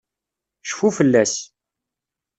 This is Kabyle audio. Cfu fell-as.